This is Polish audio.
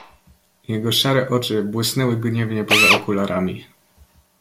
"Jego szare oczy błysnęły gniewnie poza okularami."